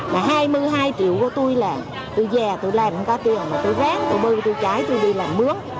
mà hai mươi hai triệu của tôi là tôi già tôi làm không có tiền mà tôi ráng tôi bư tôi trái tôi đi làm mướn